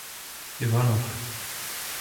Ivanov.